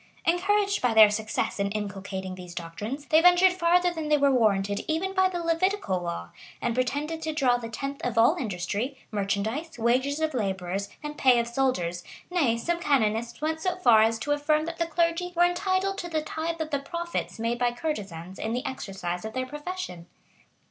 [*] Encouraged by their success in inculcating these doctrines, they ventured farther than they were warranted even by the Levitical law, and pretended to draw the tenth of all industry, merchandise, wages of laborers, and pay of soldiers;[] nay, some canonists went so far as to affirm that the clergy were entitled to the tithe of the profits made by courtesans in the exercise of their profession.